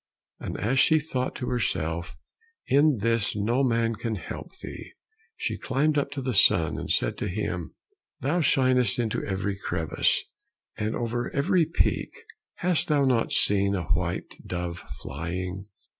And as she thought to herself, "In this no man can help thee," she climbed up to the sun, and said to him, "Thou shinest into every crevice, and over every peak, hast thou not seen a white dove flying?"